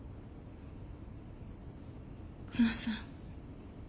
クマさん。